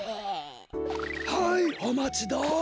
はいおまちどう。